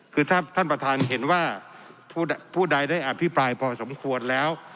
คือถ้าท่านประธานเห็นว่าผู้ใดได้อภิปรายพอสมควรแล้ว